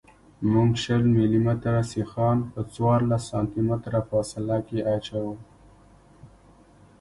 موږ شل ملي متره سیخان په څوارلس سانتي متره فاصله کې اچوو